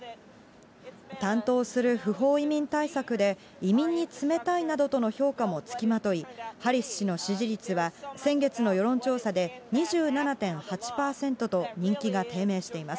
担当する不法移民対策で、移民に冷たいなどとの評価もつきまとい、ハリス氏の支持率は、先月の世論調査で２７．８％と、人気が低迷しています。